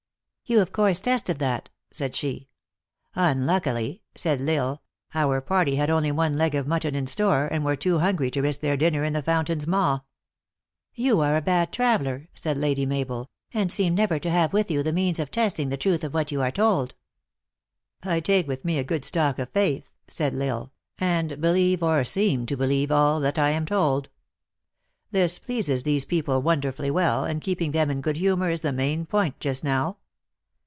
" You of course tested that," said she. " Unluckily," said L Isle, "our party had only one leg of mutton in store, and were too hungry to risk their dinner in the fountain s maw." 82. THE ACTRESS IN HIGH LIFE. " You are a bad traveler," said Lady Mabel, "and seem never to have with you the means of testing the truth of what you are told." "I take with me a good stock of faith," said L Isle, " and believe, or seem to believe, all that I am told. This pleases these people wonderfully well, and keep ing them in good humor is the main point just now.